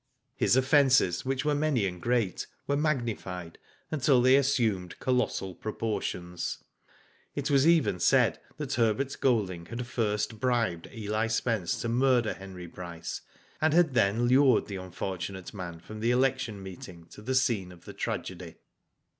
His offences, which were many and great, were magnified until they assumed colossal proportions. Digitized byGoogk STARTLING RESULTS, 257 It was even said that Herbert Golding had first bribed Eli Spence to murder Henry Bryce, and had then lured the unfortunate man from the election meeting to the scene of the tragedy.